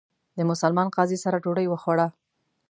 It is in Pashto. د مسلمان قاضي سره ډوډۍ وخوړه.